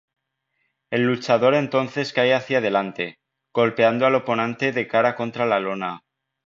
El luchador entonces cae hacia adelante, golpeando al oponente de cara contra la lona.